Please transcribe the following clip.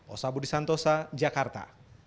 osabudi santosa jakarta